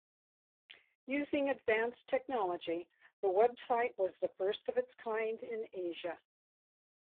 Using advanced technology, the website was the first of its kind in Asia.